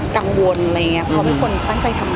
กังวลอะไรอย่างเงี้ยเพราะเขาเป็นคนตั้งใจทำงาน